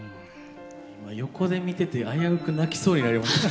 横で見てて危うく泣きそうになりましたね。